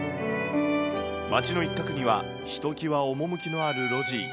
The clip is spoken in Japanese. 町の一角には、ひときわ趣のある路地。